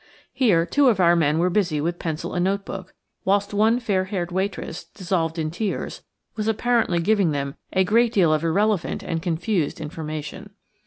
Here two of our men were busy with pencil and note book, whilst one fair haired waitress, dissolved in tears, was apparently giving them a great deal of irrelevant and confused information.